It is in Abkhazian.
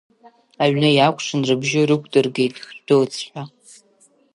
Аҩны иакәшан, рыбжьы рықәдыргеит, шәдәылҵ ҳәа.